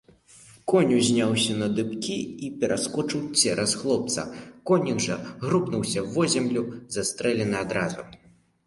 Конь узняўся на дыбкі і пераскочыў цераз хлопца, коннік жа грукнуўся вобземлю, застрэлены адразу.